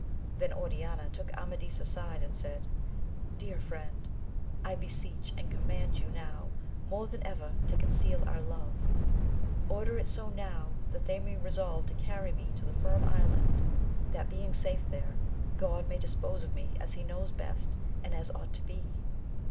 Then Oriana took Amadis aside and said, Dear friend I beseech and command you now more than ever to conceal our love ! order it so now that they may resolve to carry me to the Firm Island, that being safe there, God may dispose of me as he knows best and as ought to be.